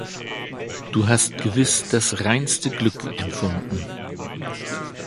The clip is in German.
Du hast gewiss das reinste Glück empfunden.